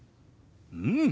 うん！